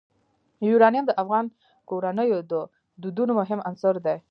یورانیم د افغان کورنیو د دودونو مهم عنصر دی.